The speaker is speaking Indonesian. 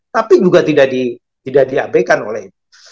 tapi juga tidak diabaikan oleh